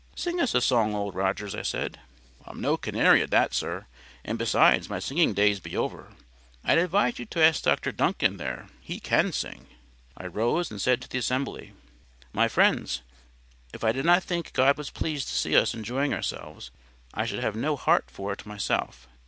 "Sing us a song, Old Rogers," I said. "I'm no canary at that, sir; and besides, my singing days be over. I advise you to ask Dr. Duncan there. He CAN sing." I rose and said to the assembly: "My friends, if I did not think God was pleased to see us enjoying ourselves, I should have no heart for it myself.